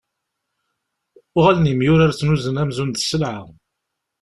Uɣalen yemyurar ttnuzun amzun d sselɛa.